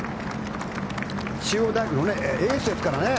中央大学のエースですからね。